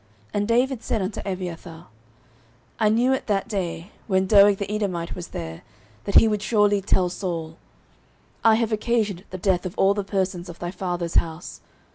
09:022:022 And David said unto Abiathar, I knew it that day, when Doeg the Edomite was there, that he would surely tell Saul: I have occasioned the death of all the persons of thy father's house.